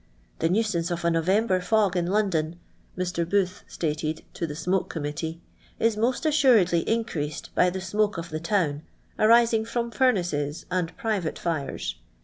" The nuisance of a November fog in London," Mr. Booth stated to the Smoke Committee, "is most assuredly hicreascd by the smoke of the town, arising from fumaci s and private Arcs.